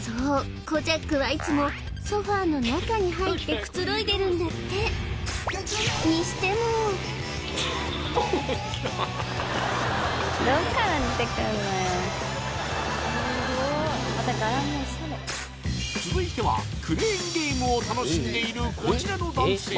そうコジャックはいつもソファーの中に入ってくつろいでるんだって続いてはクレーンゲームを楽しんでいるこちらの男性